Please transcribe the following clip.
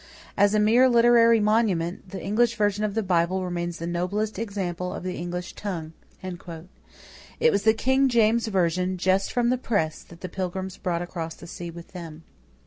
As a mere literary monument, the English version of the Bible remains the noblest example of the English tongue." It was the King James version just from the press that the Pilgrims brought across the sea with them.